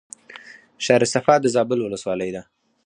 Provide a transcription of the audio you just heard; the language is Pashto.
ښار صفا د زابل ولسوالۍ ده